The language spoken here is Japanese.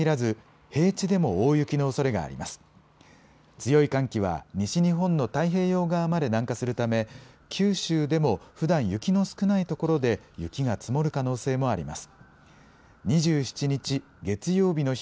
強い寒気は、西日本の太平洋側まで南下するため、九州でもふだん、雪の少ない所で、雪が積もる可能性もあります。